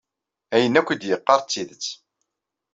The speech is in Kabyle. Ayen yakk i d-yeqqar d tidet.